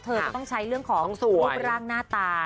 เธอก็ต้องใช้เรื่องของรูปร่างหน้าตา